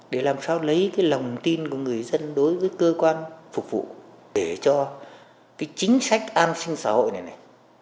để làm sao lấy cái lòng tin của người dân đối với cơ quan phục vụ để cho cái chính sách an sinh xã hội này này